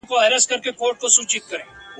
نه رقیب نه یې آزار وي وېره نه وي له اسمانه !.